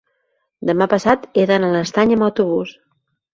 demà passat he d'anar a l'Estany amb autobús.